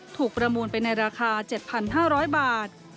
ประมูลไปในราคา๗๕๐๐บาท